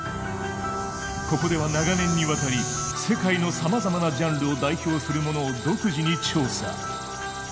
ここでは長年にわたり世界のさまざまなジャンルを代表するものを独自に調査。